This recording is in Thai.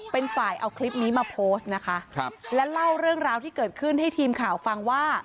เป็นฝ่ายเอาคลิปนี้มาโพสต์นะคะครับและเล่าเรื่องราวที่เกิดขึ้นให้ทีมข่าวฟังว่า